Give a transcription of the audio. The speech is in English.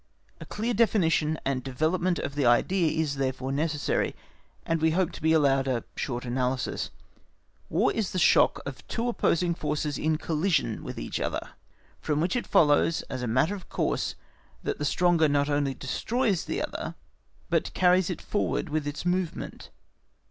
A clear definition and development of the idea is therefore necessary, and we hope to be allowed a short analysis. War is the shock of two opposing forces in collision with each other, from which it follows as a matter of course that the stronger not only destroys the other, but carries it forward with it in its movement.